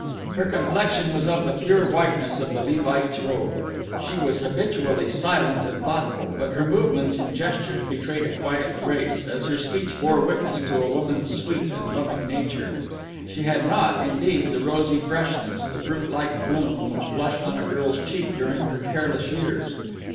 Her complexion was of the pure whiteness of the Levite's robe. She was habitually silent and thoughtful, but her movements and gestures betrayed a quiet grace, as her speech bore witness to a woman's sweet and loving nature. She had not, indeed, the rosy freshness, the fruit like bloom which blush on a girl's cheek during her careless years.